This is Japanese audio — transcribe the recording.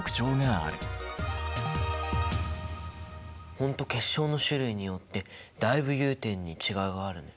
本当結晶の種類によってだいぶ融点に違いがあるね。